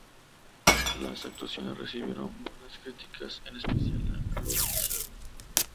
Las actuaciones recibieron buenas críticas, en especial la de Florencia.